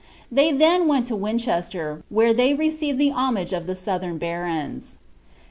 They then went to Winchester,' where they rewinj the homage of the souihem borons.